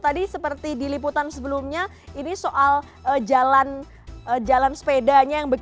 tadi seperti di liputan sebelumnya ini soal jalan sepedanya